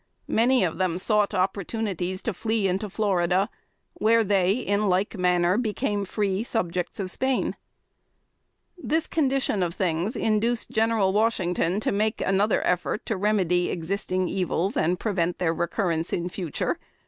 Many of them sought opportunities to flee into Florida, where they, in like manner, became free subjects of Spain. [Sidenote: 1796.] This condition of things induced General Washington to make another effort to remedy existing evils, and prevent their recurrence in future.